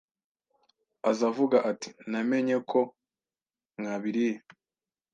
aza avuga ati namenye ko mwabiriye